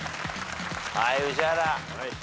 はい宇治原。